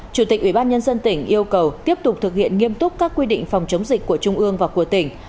chủ tịch ubnd tỉnh yêu cầu tiếp tục thực hiện nghiêm túc các quy định phòng chống dịch của trung ương và của tỉnh